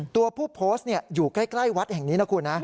ตัวผู้โพสต์อยู่ใกล้วัดแห่งนี้นะคุณนะ